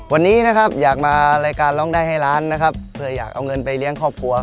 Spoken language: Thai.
วันนี้อยากมารายการร้องได้ให้ร้านเพื่ออยากเอาเงินไปเลี้ยงครอบครัว